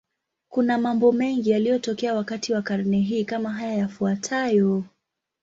Kuna mambo mengi yaliyotokea wakati wa karne hii, kama haya yafuatayo.